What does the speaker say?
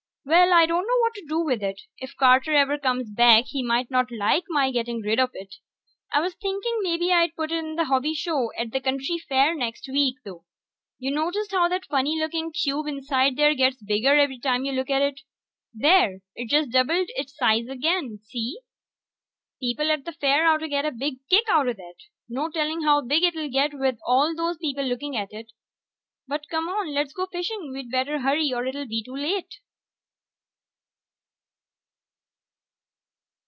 Well, I dunno what to do with it. If Carter ever comes back he might not like my getting rid of it. I was thinking mebbe I'd put it in the hobby show at the county fair next week, though. Ya notice how that funny looking cube inside there gets bigger every time you look at it? There ... it just doubled its size again, see? People at the fair oughtta get a big kick outta that. No telling how big it'll get with all those people looking at it. But come on, let's go fishing. We'd better hurry or it'll be too late.